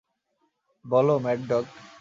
বলো, mad dog!